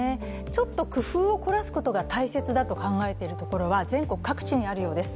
ちょっと工夫を凝らすことが大切だと考えているところは全国各地にあるようです。